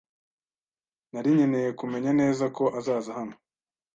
Nari nkeneye kumenya neza ko azaza hano